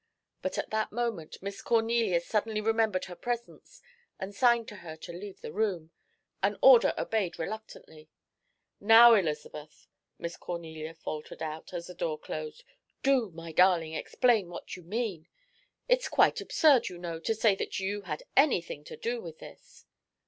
But at that moment Miss Cornelia suddenly remembered her presence and signed to her to leave the room an order obeyed reluctantly. "Now, Elizabeth," Miss Cornelia faltered out, as the door closed, "do, my darling, explain what you mean. It's quite absurd, you know, to say that you had anything to do with this."